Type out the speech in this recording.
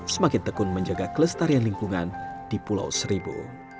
semakin tekun menjaga kelestarian lingkungan di pulau seribu